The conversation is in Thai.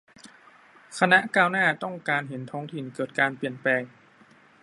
คณะก้าวหน้า ต้องการเห็นท้องถิ่นเกิดการเปลี่ยนแปลง